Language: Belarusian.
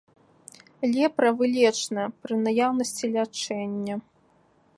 Лепра вылечная, пры наяўнасці лячэння.